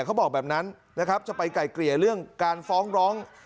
เขาบอกแบบนั้นนะครับจะไปไก่เกลี่ยเรื่องการฟ้องร้อง